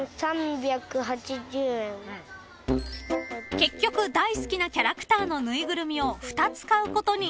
［結局大好きなキャラクターのぬいぐるみを２つ買うことに］